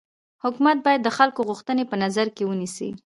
حکومت باید د خلکو غوښتني په نظر کي ونيسي.